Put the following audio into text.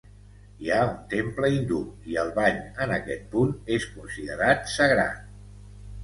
Hi ha un temple hindú i el bany en aquest punt és considerat sagrat.